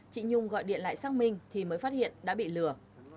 chị nhung gọi điện lại xác minh thì mới phát hiện đã bị lừa